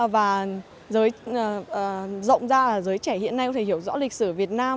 và rộng ra là giới trẻ hiện nay có thể hiểu rõ lịch sử việt nam